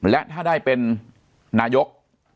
และถ้าได้เป็นนายก